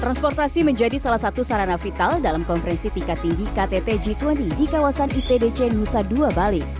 transportasi menjadi salah satu sarana vital dalam konferensi tingkat tinggi ktt g dua puluh di kawasan itdc nusa dua bali